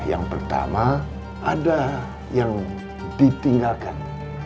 yang pertama ada yang ditinggalkan